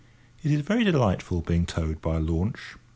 It is very delightful being towed up by a launch.